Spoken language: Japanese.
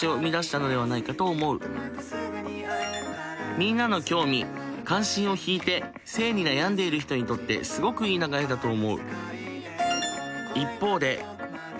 みんなの興味・関心をひいて性に悩んでいる人にとってすごくいい流れだと思う。